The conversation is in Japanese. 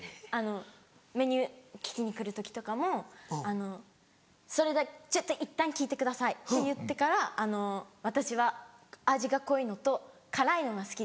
メニュー聞きに来る時とかも「それではちょっといったん聞いてください」って言ってから「私は味が濃いのと辛いのが好きです。